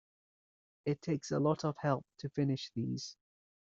It takes a lot of help to finish these.